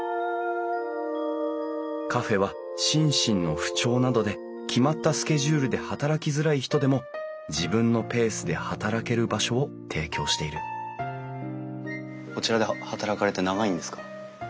カフェは心身の不調などで決まったスケジュールで働きづらい人でも自分のペースで働ける場所を提供しているこちらで働かれて長いんですか？